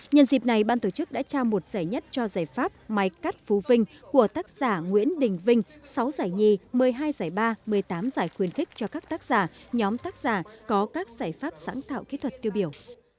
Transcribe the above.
nhân dịp này ban tổ chức đã trao một giải nhất cho giải pháp máy cắt phú vinh của tác giả nguyễn đình vinh sáu giải nhì một mươi hai giải ba một mươi tám giải khuyên khích cho các tác giả nhóm tác giả có các giải pháp sáng tạo kỹ thuật tiêu biểu